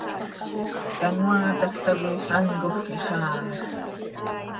Canoaataj tacoi ancoj quih xaaaj.